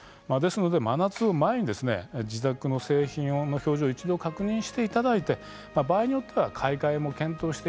真夏を前に自宅の製品の表示を一度確認していただいて場合によっては買い替えも検討をして